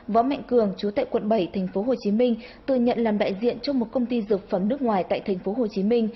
võ mạnh cường chú tại quận bảy tp hcm từ nhận làm đại diện cho một công ty dược phẩm nước ngoài tại tp hcm